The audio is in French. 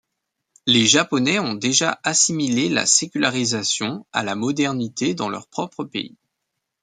Les Japonais ont déjà assimilé la sécularisation à la modernité dans leur propre pays.